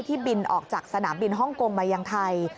บินออกจากสนามบินฮ่องกงมายังไทย